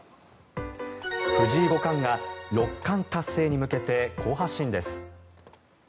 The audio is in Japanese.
藤井五冠が六冠達成に向けて好発進です。